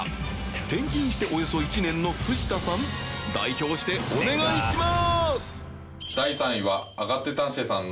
転勤しておよそ１年の藤田さん代表してお願いします！